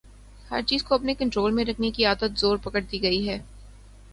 ہر چیز کو اپنے کنٹرول میں رکھنے کی عادت زور پکڑتی گئی ہے۔